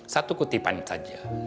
satu kutipan saja